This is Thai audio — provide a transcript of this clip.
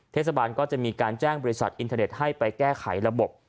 เทศบาลก็จะมีการแจ้งบริษัทอินเทอร์เน็ตให้ไปแก้ไขระบบ